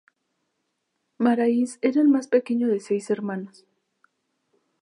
Marais era el más pequeño de seis hermanos.